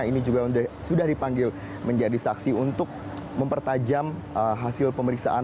ini juga sudah dipanggil menjadi saksi untuk mempertajam hasil pemeriksaan